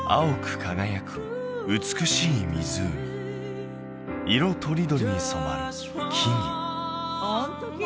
輝く美しい湖色とりどりに染まる木々